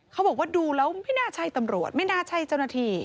เขาบอกว่าดูแล้วไม่น่าใช่ตำรวจไม่น่าใช่เจ้าหน้าที่